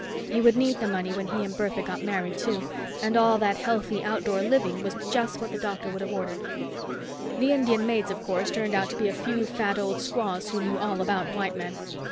He would need the money when he and Bertha got married, too, and all that healthy outdoor living was just what the doctor would have ordered. The Indian maids, of course, turned out to be a few fat old squaws who knew all about white men.